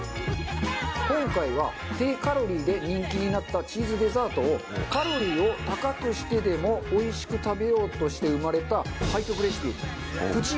今回は低カロリーで人気になったチーズデザートをカロリーを高くしてでも美味しく食べようとして生まれた背徳レシピプチ